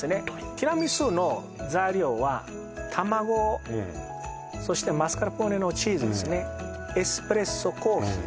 ティラミスの材料は卵そしてマスカルポーネのチーズですねエスプレッソコーヒー